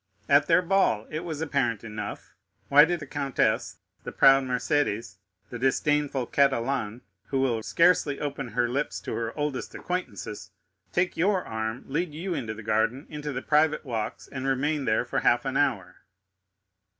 "At their ball; it was apparent enough. Why, did not the countess, the proud Mercédès, the disdainful Catalane, who will scarcely open her lips to her oldest acquaintances, take your arm, lead you into the garden, into the private walks, and remain there for half an hour?"